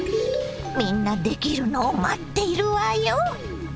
みんなできるのを待っているわよ！